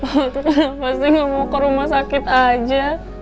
waktu kenapa sih gak mau ke rumah sakit aja